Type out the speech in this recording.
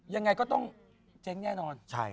ยังไงก็ต้องเจ๊งแน่นอน